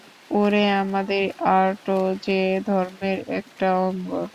ওরে, আমাদের আর্টও যে ধর্মের একটা অঙ্গ।